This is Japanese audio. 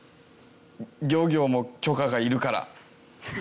漁業も許可がいるから。